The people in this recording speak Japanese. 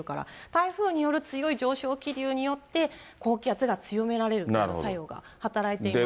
台風による強い上昇気流によって、高気圧が強められるという作用が働いています。